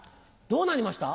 どうなりました？